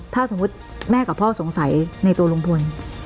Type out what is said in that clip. ถ้าสมมุติแม่กับพ่อสงสัยในตัวลุงพล